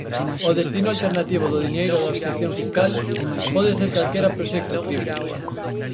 O destino alternativo do diñeiro da obxección fiscal pode ser calquera proxecto crible.